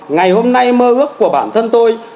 ngày hôm nay mơ ước của bản thân tôi